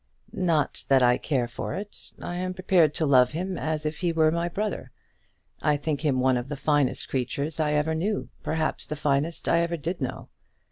"Not that I care for it. I am prepared to love him as if he were my brother. I think him one of the finest creatures I ever knew, perhaps the finest I ever did know.